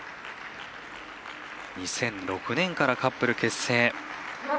２００６年からカップル結成。